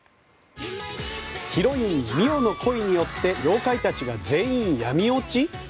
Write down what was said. ヒロイン、澪の恋によって妖怪たちが全員闇落ち？